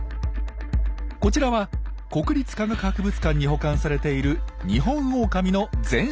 こちらは国立科学博物館に保管されているニホンオオカミの全身骨格。